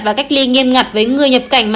và cách ly nghiêm ngặt với người nhập cảnh